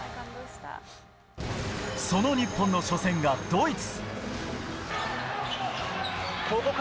その日本の初戦がドイツ。